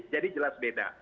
jadi jelas beda